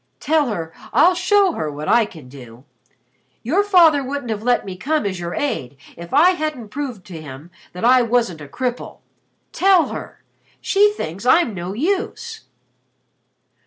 Tell her I'll show her what I can do. Your father wouldn't have let me come as your aide if I hadn't proved to him that I wasn't a cripple. Tell her. She thinks I'm no use."